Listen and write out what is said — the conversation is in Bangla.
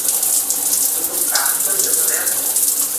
শুধু কাজ চলবে, মনে আছে?